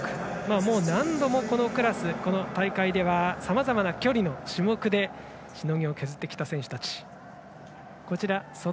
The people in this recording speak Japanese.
もう何度もこのクラスこの大会ではさまざまな距離の種目でしのぎを削ってきた選手たち。